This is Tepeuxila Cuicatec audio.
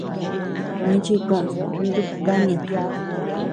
Nichi koʼöd tum nub kanid.